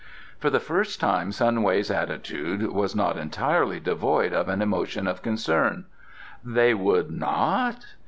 For the first time Sun Wei's attitude was not entirely devoid of an emotion of concern. "They would not